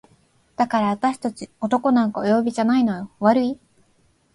「だからあたし達男なんかお呼びじゃないのよ悪い？」